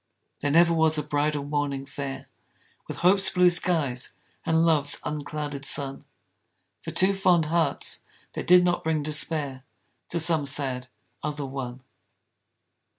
There never was a bridal morning fair With hope's blue skies and love's unclouded sun For two fond hearts, that did not bring despair To some sad other one.